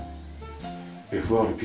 ＦＲＰ？